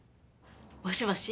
もしもし。